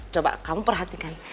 coba kamu perhatikan